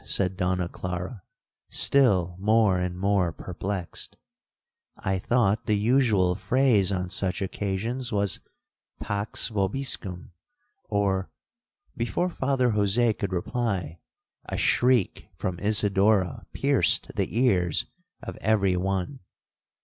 said Donna Clara, still more and more perplexed, 'I thought the usual phrase on such occasions was pax vobiscum, or'—Before Father Jose could reply, a shriek from Isidora pierced the ears of every one.